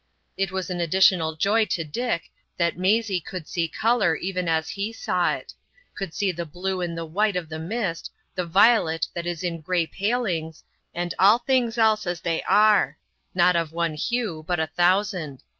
It was an additional joy to Dick that Maisie could see colour even as he saw it,—could see the blue in the white of the mist, the violet that is in gray palings, and all things else as they are,—not of one hue, but a thousand.